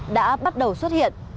đã bắt đầu xuất hiện